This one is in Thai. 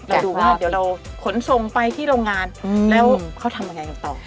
ดูว่าเดี๋ยวเราขนส่งไปที่โรงงานแล้วเขาทำยังไงกันต่อ